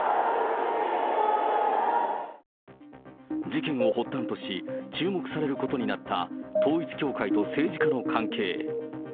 事件を発端とし、注目されることになった、統一教会と政治家の関係。